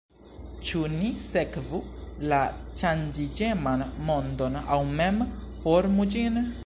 Ĉu ni sekvu la ŝanĝiĝeman mondon aŭ mem formu ĝin?